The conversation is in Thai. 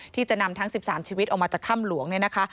ที่จะนำทั้ง๑๓ชีวิตออกมาจากถ้ำหลวงเนี่ยนะคะ